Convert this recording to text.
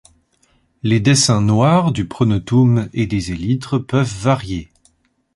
Les dessins noirs du pronotum et des élytres peuvent varier.